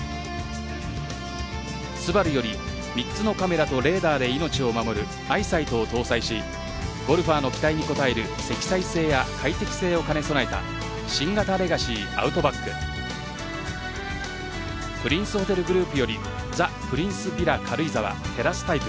スバルより３つのカメラとレーダーで命を守るアイサイトを搭載しゴルファーの期待に応える積載性や快適性を兼ね備えた新型レガシィアウトバックプリンスホテルグループよりザ・プリンスヴィラ軽井沢テラスタイプ